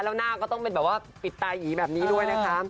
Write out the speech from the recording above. แล้วหน้าก็ต้องเป็นแบบว่าปิดตายีแบบนี้ด้วยนะคะ